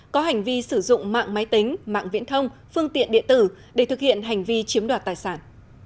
có hành vi sử dụng mạng máy tính mạng viễn thông phương tiện địa tử để thực hiện hành vi chiếm đoạt tài sản